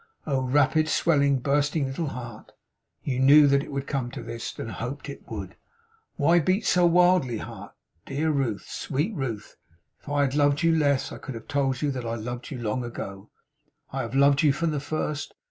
Oh rapid, swelling, bursting little heart, you knew that it would come to this, and hoped it would. Why beat so wildly, heart! 'Dear Ruth! Sweet Ruth! If I had loved you less, I could have told you that I loved you, long ago. I have loved you from the first.